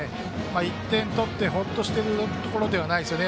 １点取ってホッとしているところではないですよね。